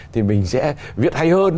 thì mình sẽ viết hay hơn